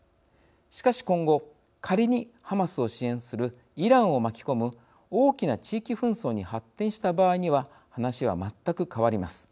しかし今後仮にハマスを支援するイランを巻き込む大きな地域紛争に発展した場合には話は全く変わります。